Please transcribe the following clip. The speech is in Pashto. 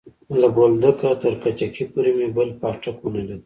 له بولدکه تر کجکي پورې مې بل پاټک ونه ليد.